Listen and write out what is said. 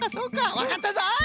わかったぞい！